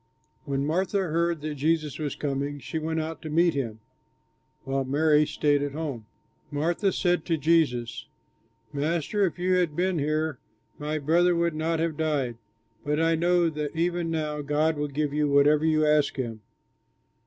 When Martha heard that Jesus was coming, she went out to meet him, while Mary stayed at home. Martha said to Jesus, "Master, if you had been here my brother would not have died, but I know that even now God will give you whatever you ask him."